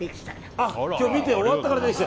あ、今日見て終わったから出てきた。